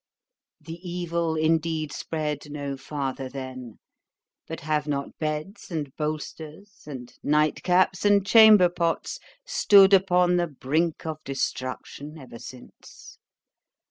_—The evil indeed spread no farther then—but have not beds and bolsters, and night caps and chamber pots stood upon the brink of destruction ever since?